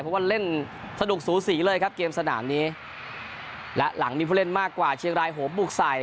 เพราะว่าเล่นสนุกสูสีเลยครับเกมสนามนี้และหลังมีผู้เล่นมากกว่าเชียงรายโหมบุกใส่